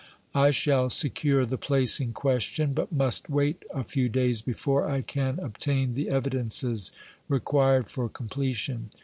I shall secure the place in question, but must wait a few days before I can obtain the evidences required for com pletion.